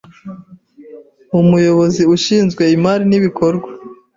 Umuyobozi ushinzwe Imari n’Ibikorwa